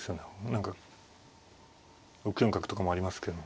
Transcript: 何か６四角とかもありますけど。